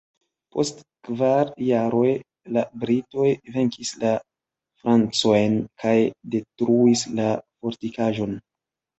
Post kvar jaroj, la britoj venkis la francojn kaj detruis la fortikaĵon.